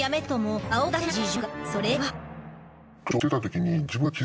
それは。